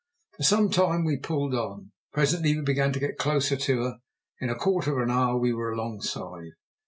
For some time we pulled on. Presently we began to get closer to her. In a quarter of an hour we were alongside.